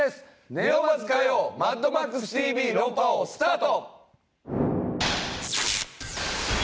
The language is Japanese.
ネオバズ火曜『マッドマックスＴＶ論破王』スタート！